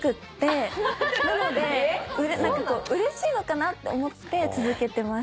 なのでうれしいのかなって思って続けてます。